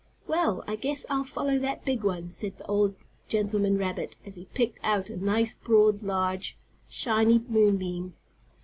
"Well, I guess I'll follow that big one," said the old gentleman rabbit, as he picked out a nice, broad, large, shiny moon beam.